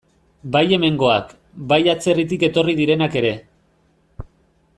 Bai hemengoak, bai atzerritik etorri direnak ere.